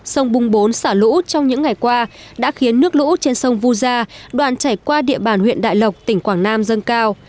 sông bung bốn xả lũ trong những ngày qua đã khiến nước lũ trên sông vu gia đoạn chảy qua địa bàn huyện đại lộc tỉnh quảng nam dâng cao